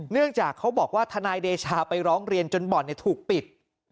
เนื่องจากเขาบอกว่าทนายเดชาไปร้องเรียนจนบ่อนถูกปิด